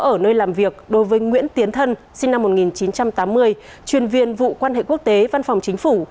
ở nơi làm việc đối với nguyễn tiến thân sinh năm một nghìn chín trăm tám mươi chuyên viên vụ quan hệ quốc tế văn phòng chính phủ